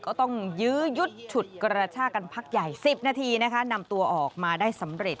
ก็ต้องยื้อยุดฉุดกระชากันพักใหญ่๑๐นาทีนะคะนำตัวออกมาได้สำเร็จ